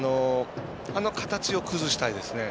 あの形を崩したいですね。